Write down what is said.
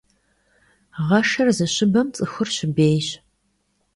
Гъэшыр зыщыбэм цӀыхур щыбейщ.